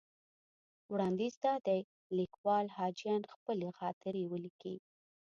وړاندیز دا دی لیکوال حاجیان خپلې خاطرې ولیکي.